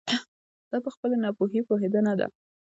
دا په خپلې ناپوهي پوهېدنه ده.